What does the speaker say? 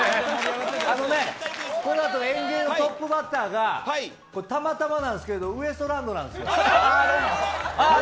この後、ＥＮＧＥＩのトップバッターがたまたまなんですけどウエストランドなんすよ。